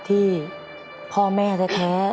ที่พ่อแม่แท้